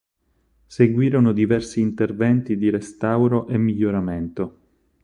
Seguirono diversi interventi di restauro e miglioramento.